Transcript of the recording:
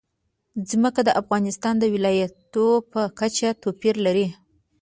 ځمکه د افغانستان د ولایاتو په کچه توپیر لري.